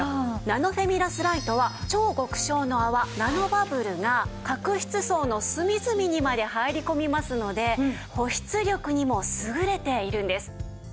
ナノフェミラスライトは超極小の泡ナノバブルが角質層の隅々にまで入り込みますので保湿力にも優れているんです。